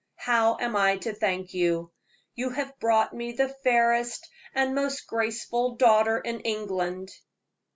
How am I to thank you? You have brought me the fairest and most graceful daughter in England!"